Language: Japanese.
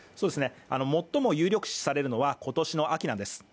最も有力視されるのは今年の秋なんです。